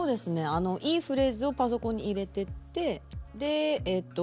あのいいフレーズをパソコンに入れてってえっと